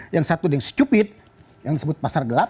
yang satu yang stupid yang disebut pasar gelap